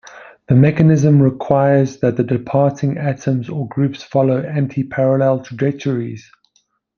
The mechanism requires that the departing atoms or groups follow antiparallel trajectories.